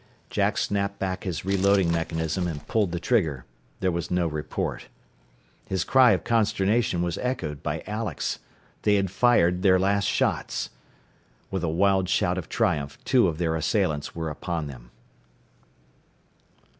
Jack snapped back his reloading mechanism, and pulled the trigger. There was no report. His cry of consternation was echoed by Alex. They had fired their last shots! With a wild shout of triumph two of their assailants were upon them.